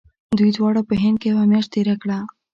دوی دواړو په هند کې یوه میاشت تېره کړه.